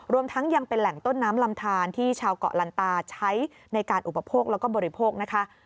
รวมทั้งยังเป็นแหล่งต้นน้ำลำทานที่ชาวเกาะลันตาใช้ในการอุปโภคแล้วก็บริโภคนะคะ